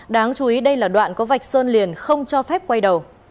đáng chú ý đây là đoạn có vạch sơn liền không cho phép quay đầu